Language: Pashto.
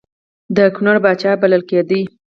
د کنړ پاچا بلل کېدی.